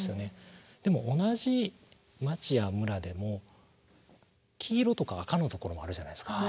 でも同じ町や村でも黄色とか赤のところもあるじゃないですか。